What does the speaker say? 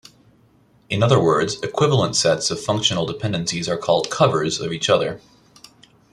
In other words, equivalent sets of functional dependencies are called "covers" of each other.